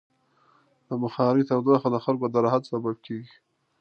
د بخارۍ تودوخه د خلکو د راحت سبب کېږي.